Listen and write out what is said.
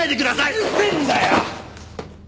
うるせえんだよ！